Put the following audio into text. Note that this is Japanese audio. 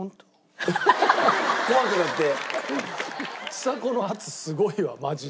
ちさ子の圧すごいわマジで。